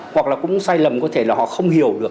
hoặc là cũng sai lầm có thể là họ không hiểu được